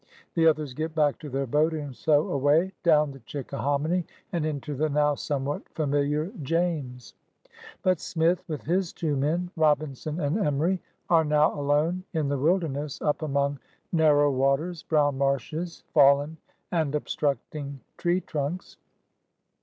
The others get back to their boat and so away, down the Chickahominy and into the now somewhat familiar James. But Smith with his two men, Robinson and Enuy, are now alone in the wilder ness, up among narrow waters, brown marshes. 4i PIONEERS OF THE OLD SOUTH fallen and obstructing tree trunks.